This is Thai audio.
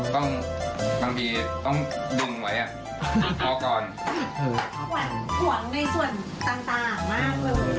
ต้องบางทีต้องดึงไว้อ่ะเพราะก่อนหวานหวานในส่วนต่างต่างมากเลย